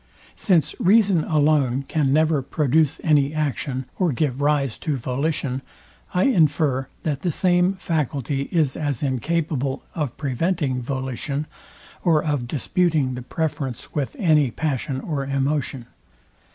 Since reason alone can never produce any action, or give rise to volition, I infer, that the same faculty is as incapable of preventing volition, or of disputing the preference with any passion or emotion.